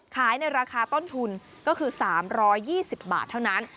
ในราคาต้นทุนก็คือ๓๒๐บาทเท่านั้น